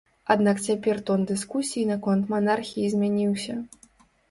Аднак цяпер тон дыскусіі наконт манархіі змяніўся.